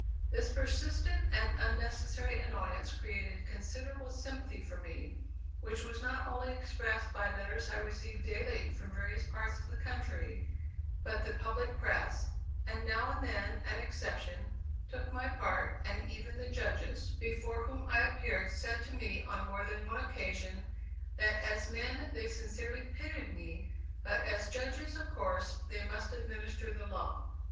This persistent and unnecessary annoyance created considerable sympathy for me, which was not only expressed by letters I received daily from various parts of the country, but the public press, with now and then an exception, took my part, and even the Judges, before whom I appeared, said to me on more than one occasion, that as men they sincerely pitied me, but as judges of course they must administer the law.